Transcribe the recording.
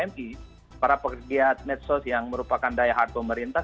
ini adalah pekerja pekerja medsos yang merupakan daya harta pemerintah